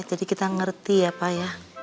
jadi kita ngerti ya pak ya